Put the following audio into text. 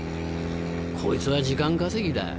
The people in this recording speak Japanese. こいつは時間稼ぎだ。